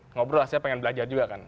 ngobrol lah saya pengen belajar juga kan